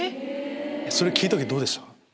それ聞いた時どうでした？